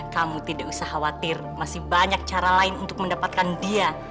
kamu tidak usah khawatir masih banyak cara lain untuk mendapatkan dia